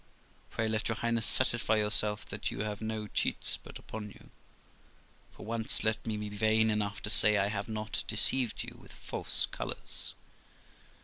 Pray let your Highness satisfy yourself that you have no cheats put upon you ; for once let me be vain enough to say I have not deceived you with false colours.'